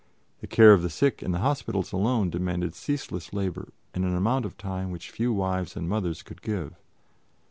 The care of the sick in the hospitals alone demanded ceaseless labor and an amount of time which few wives and mothers could give.